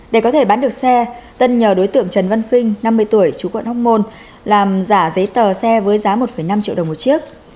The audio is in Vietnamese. để có thể bán được xe tân nhờ đối tượng trần văn phi năm mươi tuổi chú quận hóc môn làm giả giấy tờ xe với giá một năm triệu đồng một chiếc